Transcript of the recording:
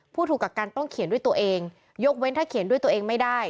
ผู้ถูกกักกันต้องเขียนด้วยตัวเองยกเว้นถ้าเขียนด้วยตัวเองไม่ได้